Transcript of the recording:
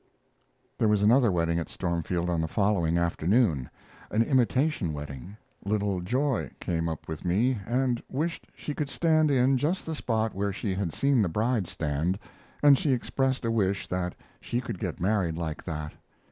There was another wedding at Stormfield on the following afternoon an imitation wedding. Little Joy came up with me, and wished she could stand in just the spot where she had seen the bride stand, and she expressed a wish that she could get married like that.